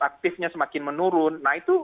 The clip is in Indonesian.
aktifnya semakin menurun nah itu